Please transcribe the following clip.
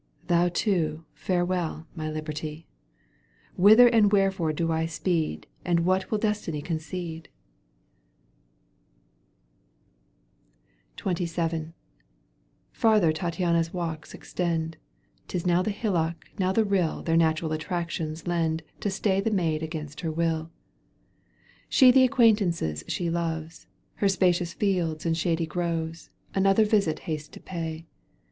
Thou too farewell, my liberty ! Whither and wherefore do I speed And what will Destiny concede?" Digitized by VjOOQ 1С CANTO vn. EUGENE OKEGUINE. 203 xxvn. Farther Tattiania's walks extend — 'Tis now the hШock now the гШ Their natural attractions lend To stay the maid against her wilL She the acquaintances she loves, Her spacious fields and shady groves, Another visit hastes to pay.